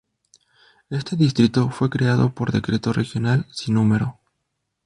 Este distrito fue creado por decreto Regional sin número.